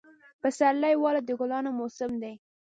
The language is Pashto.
پسرلی ولې د ګلانو موسم دی؟